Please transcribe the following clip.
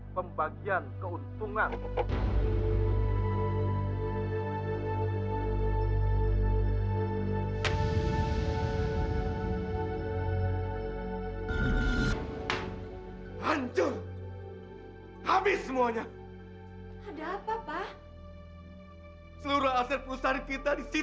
pembagian keuntungan hancur habis semuanya ada apa pak seluruh aset perusahaan vitalis